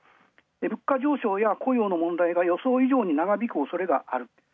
物価上昇や雇用の問題が予想以上に長引く恐れがある。